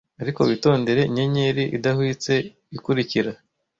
ariko witondere inyenyeri idahwitse ikurikira